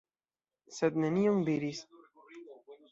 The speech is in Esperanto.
Sed nenion diris.